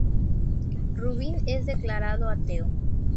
Rubin es declarado ateo.